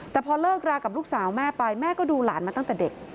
แต่พอเลิกรากับลูกสาวแม่ไปแม่ก็ดูหลานมาตั้งแต่เด็ก